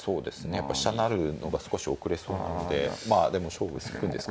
やっぱ飛車成るのが少し遅れそうなのでまあでも勝負するんですか。